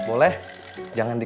oh enak banget